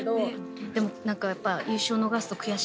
でも何かやっぱ。